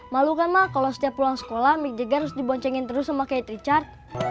malu kan ma kalo setiap pulang sekolah mick jagger harus diboncengin terus sama kate richard